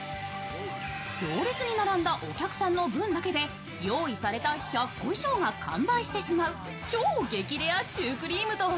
行列に並んだお客さんの分だけで用意された１００個以上が完売してしまう超激レアシュークリームとは？